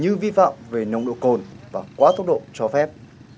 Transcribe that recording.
như vi phạm về nồng độ cồn và quá tốc độ cho phép